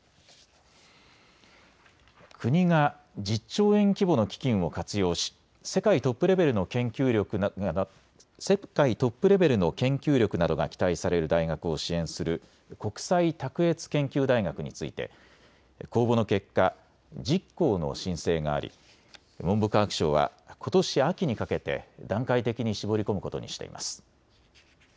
国が１０兆円規模の基金を活用し世界トップレベルの研究力などが期待される大学を支援する国際卓越研究大学について公募の結果、１０校の申請があり文部科学省はことし秋にかけて段階的に絞り込むことにしています。